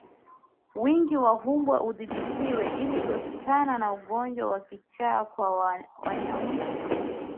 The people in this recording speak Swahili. Wingi wa mbwa udhibitiwe ili kuepukana na ugonjwa wa kichaa kwa wanyama